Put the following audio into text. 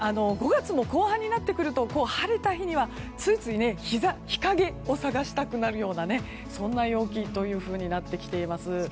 ５月も後半になってくると晴れた日には、ついつい日陰を探したくなるようなそんな陽気となってきています。